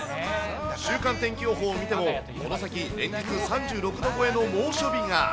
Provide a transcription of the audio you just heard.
週間天気予報を見ても、この先連日３６度超えの猛暑日が。